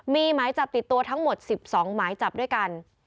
มีหมายจับติดตัวทั้งหมด๑๒หมายจับด้วยกัน